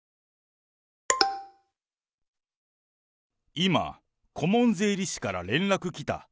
今、顧問税理士から連絡来た。